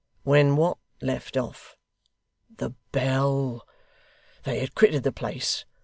'When what left off?' 'The Bell. They had quitted the place.